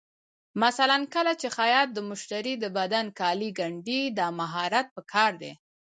مثلا کله چې خیاط د مشتري د بدن کالي ګنډي، دا مهارت پکار دی.